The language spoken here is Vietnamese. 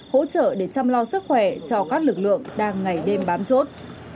hỗ trợ để chăm lo sức khỏe cho các lực lượng đang ngày đêm bám chốt